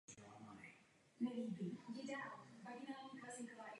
Právě tyto otázky si musíme neustále klást.